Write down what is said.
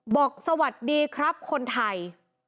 บอกสวัสดีครับคนไทย